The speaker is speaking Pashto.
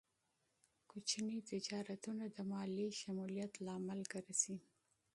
کوچني تجارتونه د مالي شمولیت لامل ګرځي.